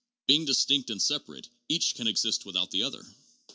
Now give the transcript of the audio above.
Being distinct and separate, each can exist, without the other!